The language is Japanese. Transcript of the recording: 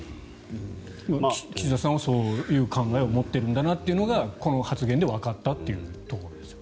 岸田さんはそういう考えを持っているんだなというのがこの発言でわかったというところですよね。